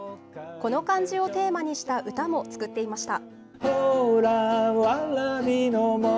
この漢字をテーマにした歌も作っていました。